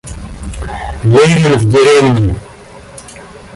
Левин в деревне.